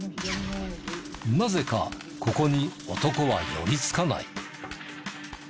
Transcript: なぜかここに男は寄りつかない。